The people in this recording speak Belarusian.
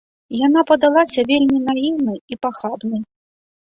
Яна падалася вельмі наіўнай і пахабнай.